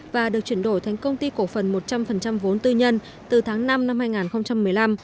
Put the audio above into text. và được chuyển đổi thành công ty cổ phần một trăm linh vốn tư nhân từ tháng năm năm hai nghìn một mươi năm